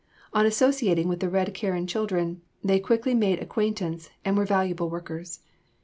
On associating with the Red Karen children, they quickly made acquaintance and were valuable workers.